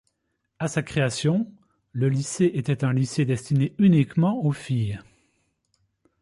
À sa création, le lycée était un lycée destiné uniquement aux filles.